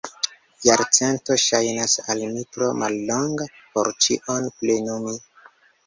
Jarcento ŝajnas al mi tro mallonga, por ĉion plenumi!